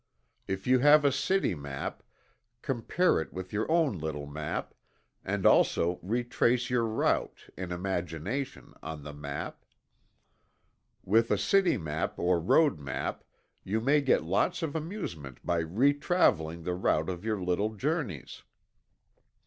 If you have a city map, compare it with your own little map, and also re trace your route, in imagination, on the map. With a city map, or road map, you may get lots of amusement by re traveling the route of your little journeys.